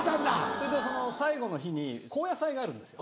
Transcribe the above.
それでその最後の日に後夜祭があるんですよ。